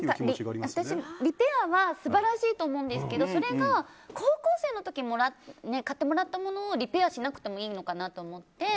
私、リペアは素晴らしいと思うんですけどそれが高校生の時買ってもらったものをリペアしなくてもいいのかなって思って。